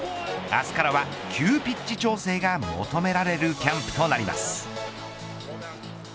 明日からは急ピッチ調整が求められるキャンプとなります。